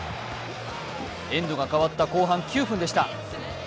エンドが替わった後半９分でした。